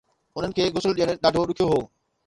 انهن کي غسل ڏيڻ ڏاڍو ڏکيو هو